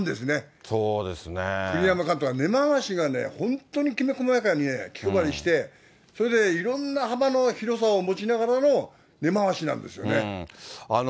栗山監督は根回しがね、本当にきめ細やかにね、気配りして、それで、いろんな幅の広さを持ちながらの根回しなんですよね。